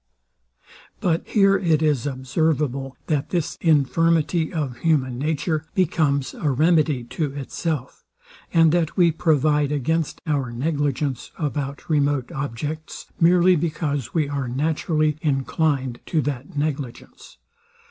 But here it is observable, that this infirmity of human nature becomes a remedy to itself, and that we provide against our negligence about remote objects, merely because we are naturally inclined to that negligence.